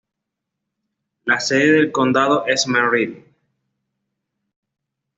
La sede del condado es Merrill.